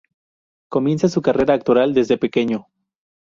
Comienza su carrera actoral desde pequeño.